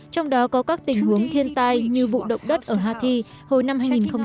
trong đó có các tình huống thiên tai như vụ động đất ở hathi hồi năm hai nghìn một mươi